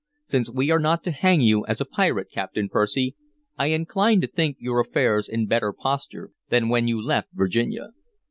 Since we are not to hang you as a pirate, Captain Percy, I incline to think your affairs in better posture than when you left Virginia."